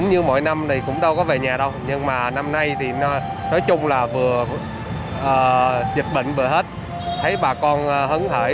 hãy đăng ký kênh để ủng hộ kênh của mình nhé